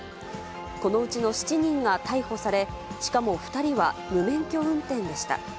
このうちの７人が逮捕され、しかも２人は無免許運転でした。